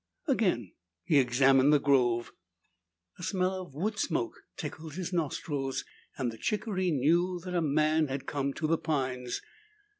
Again he examined the grove. A smell of wood smoke tickled his nostrils and the chickaree knew that a man had come to the pines.